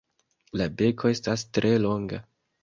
La beko estas tre longa.